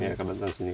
iya datang ke sini